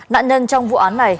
nạn nhân trong vụ án này